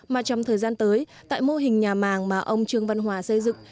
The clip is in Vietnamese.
mà trong thời gian tới tại mô hình nhà màng mà ông trương văn hòa xây dựng